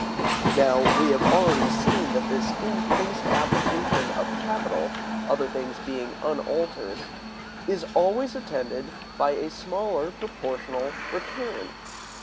Now we have already seen that this increased application of capital, other things being unaltered, is always attended with a smaller proportional return.